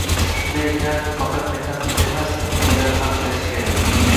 Shunday ekan, faqat mehnat qilish emas, kallani ham ishlatish kerak